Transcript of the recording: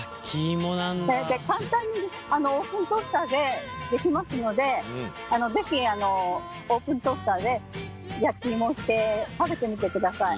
簡単にオーブントースターでできますので是非オーブントースターで焼き芋をして食べてみてください。